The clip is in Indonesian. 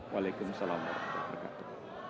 waalaikumsalam warahmatullahi wabarakatuh